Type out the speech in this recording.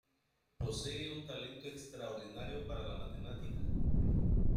Posee un talento extraordinario para la matemática.